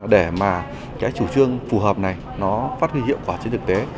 để mà cái chủ trương phù hợp này nó phát huy hiệu quả trên thực tế